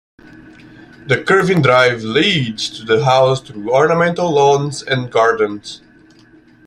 The curving drive leads to the house through ornamental lawns and gardens.